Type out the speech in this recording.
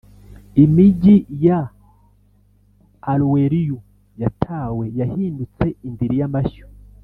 Imigi ya Aroweriu yatawe yahindutse indiri y amashyo